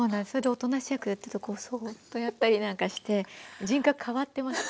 おとなしい役やってるとこうそっとやったりなんかして人格変わってます。